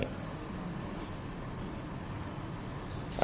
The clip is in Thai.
มือกันแล้วก็มีรูปที่ยืนต่อหน้าตำรวจด้วย